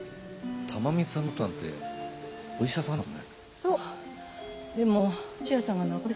珠美さんのお父さんってお医者さんなんですね？